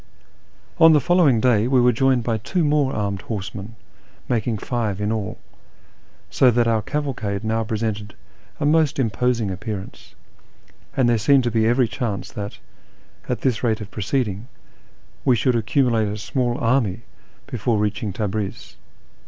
On the following day we were joined by two more armed horsemen, making five in all, so that our cavalcade now pre sented a most imposing appearance, and there seemed to be every chance that, at this rate of proceeding, we should ac cumulate a small army before reaching Tabriz.